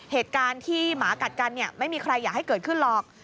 เหตุการณ์ที่หมากัดกันเนี่ยไม่มีใครอยากให้เกิดขึ้นหรอก